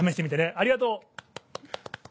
ありがとう。